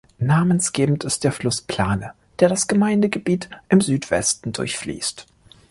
Namensgebend ist der Fluss Plane, der das Gemeindegebiet im Südwesten durchfließt.